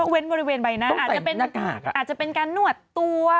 เว้นบริเวณใบหน้าอาจจะเป็นการนวดตัว